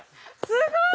すごい！